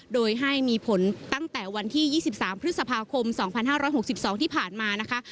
โดยให้มีผลตั้งแต่วันที่๒๓พฤษภาคม๒๕๖๒ที่ผ่านมานะคะ